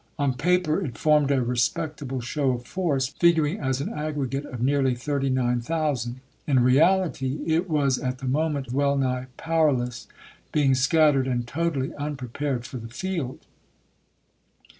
On paper it p.W." formed a respectable show of force, figuring as an aggregate of nearly 39,000 ; in reality it was at the moment well nigh powerless, being scattered and totally unprepared for the field.